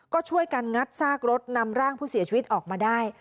ก็ช่วยกันงัดซากรถนำร่างผู้เสียชีวิตออกมาได้